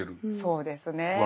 そうですね。